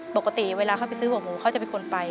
ปกติเวลาเขาไปซื้อหัวหมูเขาจะเป็นคนไป